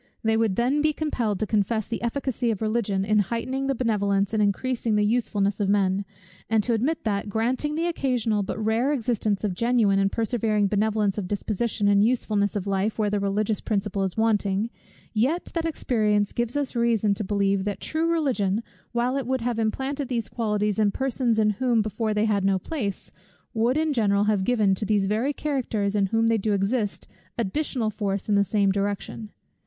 They would then be compelled to confess the efficacy of Religion, in heightening the benevolence and increasing the usefulness of men: and to admit that, granting the occasional but rare existence of genuine and persevering benevolence of disposition and usefulness of life, where the religious principle is wanting; yet that experience gives us reason to believe, that true Religion, while it would have implanted these qualities in persons in whom before they had no place, would in general have given, to these very characters in whom they do exist, additional force in the same direction.